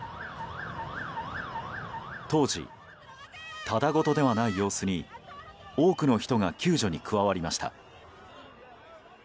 当時、ただ事ではない様子に多くの人が救助に加わりました。